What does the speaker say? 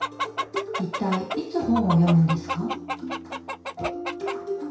一体いつ本を読むんですか？